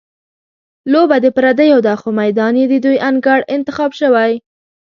لوبه د پردیو ده، خو میدان یې د دوی انګړ انتخاب شوی.